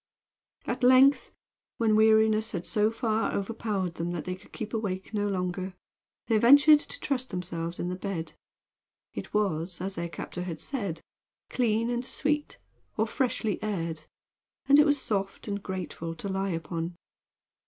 At length, when weariness had so far overpowered them that they could keep awake no longer, they ventured to trust themselves in the bed. It was, as their captor had said, clean and sweet, or freshly aired, and it was soft and grateful to lie upon.